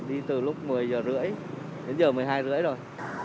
đi từ lúc một mươi giờ rưỡi đến giờ một mươi hai rưỡi rồi